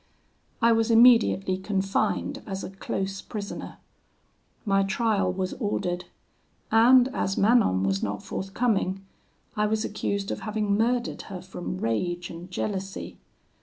"I was immediately confined as a close prisoner. My trial was ordered; and as Manon was not forthcoming, I was accused of having murdered her from rage and jealousy.